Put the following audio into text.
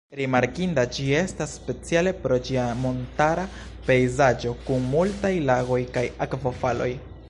Rimarkinda ĝi estas speciale pro ĝia montara pejzaĝo kun multaj lagoj kaj akvofaloj.